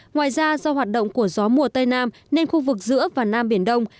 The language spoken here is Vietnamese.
ngoài ra do hoạt động của gió mùa tây nam nên khu vực giữa và nam biển đông